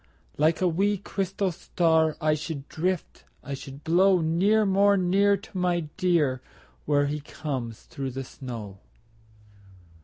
Like a wee, crystal star I should drift, I should blow Near, more near, To my dear Where he comes through the snow.